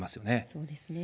そうですね。